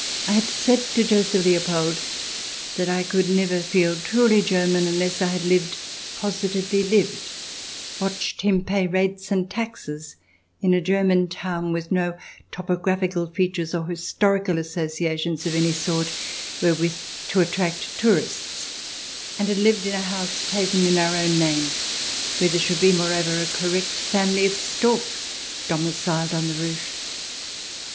I had said to Joseph Leopold that I could never feel truly German until I had lived — positively lived — watched him pay rates and taxes — in a German town with no topographical features or historical associations of any sort where with to attract tourists, and had lived in a house taken in our own name, where there should be, moreover, a correct family of storks domiciled on the roof.